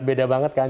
beda banget kan